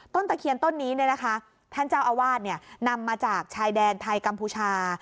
ตะเคียนต้นนี้ท่านเจ้าอาวาสนำมาจากชายแดนไทยกัมพูชา